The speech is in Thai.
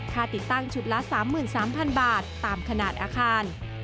ติดตั้งชุดละ๓๓๐๐๐บาทตามขนาดอาคาร